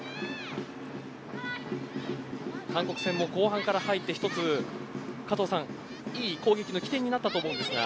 韓国戦も後半から入って１つ加藤さん、いい攻撃の起点になったと思うんですが。